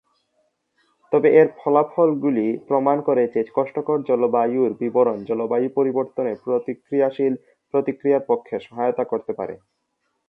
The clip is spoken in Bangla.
তবে এর ফলাফলগুলি প্রমাণ করে যে কষ্টকর জলবায়ুর বিবরণ জলবায়ু পরিবর্তনের প্রতিক্রিয়াশীল প্রতিক্রিয়ার পক্ষে সহায়তা করতে পারে।